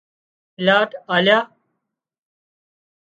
پلاٽ آليا